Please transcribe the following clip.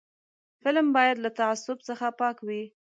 فلم باید له تعصب څخه پاک وي